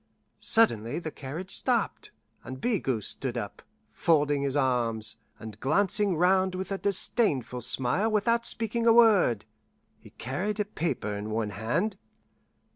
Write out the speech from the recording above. Suddenly the carriage stopped, and Bigot stood up, folding his arms, and glancing round with a disdainful smile without speaking a word. He carried a paper in one hand.